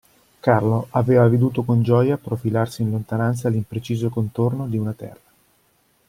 Carlo aveva veduto con gioia profilarsi in lontananza l'impreciso contorno di una terra.